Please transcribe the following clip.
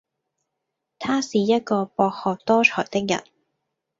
他是一位博學多才的人